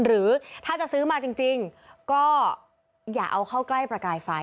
หรือถ้าจะซื้อมาจริงก็อย่าเอาเข้าใกล้ประกายไฟ